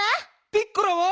ピッコラは？